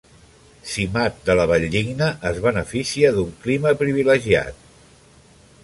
Simat de la Valldigna es beneficia d'un clima privilegiat.